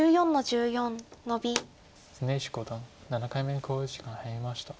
常石五段７回目の考慮時間に入りました。